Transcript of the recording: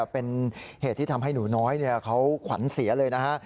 เป็นเหตุที่ทำให้หนูน้อยเขาขวัญเสียเลยนะฮะ